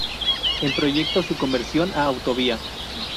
En proyecto su conversión a autovía.